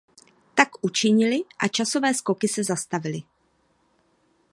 Tak učinili a časové skoky se zastavily.